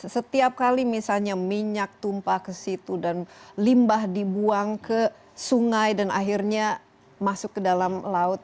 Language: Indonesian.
setiap kali misalnya minyak tumpah ke situ dan limbah dibuang ke sungai dan akhirnya masuk ke dalam laut